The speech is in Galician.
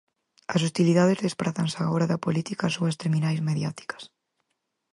As hostilidades desprázanse agora da política ás súas terminais mediáticas.